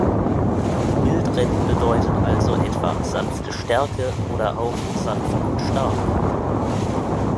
Mildred bedeutet also etwa „Sanfte Stärke“ oder auch „sanft und stark“.